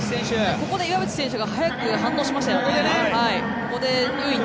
ここで岩渕選手が早く反応しましたよね。